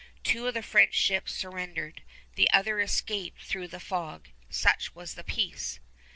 Two of the French ships surrendered. The other escaped through the fog. Such was the peace!